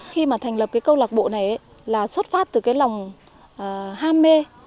khi mà thành lập cái câu lạc bộ này là xuất phát từ cái lòng ham mê